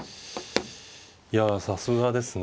いやさすがですね。